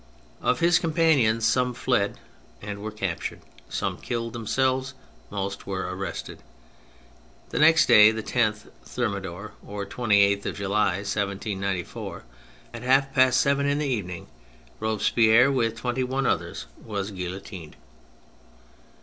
Of his companions, some fled and were captured, some killed themselves, most were arrested. The next day, the 10th Thermidor, or 28th of July, 1794, at half past seven in the evening, Robespierre, with twenty one others, was guillotined.